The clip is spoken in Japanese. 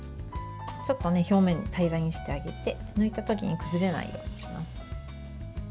ちょっと表面を平らにしてあげて抜いた時に崩れないようにします。